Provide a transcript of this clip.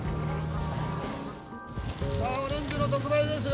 さあオレンジの特売ですよ。